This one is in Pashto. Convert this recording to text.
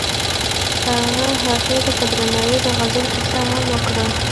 هغه هغې ته په درناوي د غزل کیسه هم وکړه.